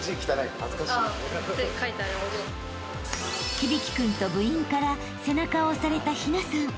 ［響生君と部員から背中を押された陽奈さん］